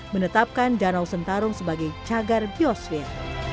menetapkan danau sentarung sebagai cagar biosfin